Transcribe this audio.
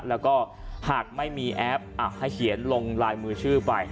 แล้วก็หากไม่มีแอปให้เขียนลงลายมือชื่อไป